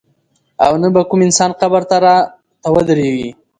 او نه به کوم انسان قبر ته راته ودرېږي.